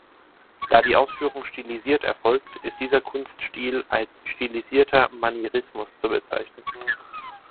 Da die Ausführung stilisiert erfolgt, ist dieser Kunststil als "stilisierter Manierismus" zu bezeichnen.